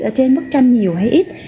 ở trên bức tranh nhiều hay ít